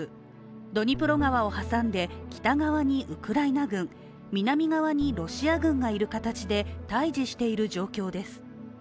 ドニプロ川を挟んで北側にウクライナ軍、南側にロシア軍がいる形で対じしている状況です。